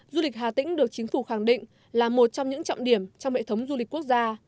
du lịch hà tĩnh được chính phủ khẳng định là một trong những trọng điểm trong hệ thống du lịch quốc gia